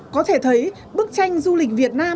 có thể thấy bức tranh du lịch việt nam